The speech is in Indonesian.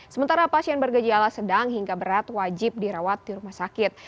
sementara pasien bergejala sedang hingga berat wajib dirawat di rumah sakit